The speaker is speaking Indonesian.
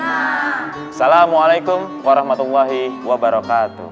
assalamualaikum warahmatullahi wabarakatuh